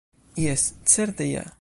Jes, certe ja!